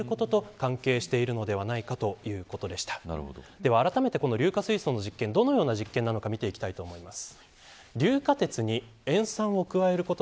ではあらためて硫化水素の実験どのような実験なのか見ていきたいと思います。